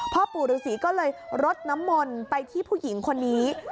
พ่อปู่ฤษีก็เลยรดน้ำมนต์ไปที่ผู้หญิงคนนี้